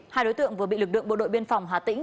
hai đối tượng vừa bị lực lượng bộ đội biên phòng hà tĩnh